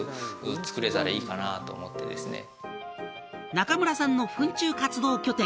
中村さんの糞虫活動拠点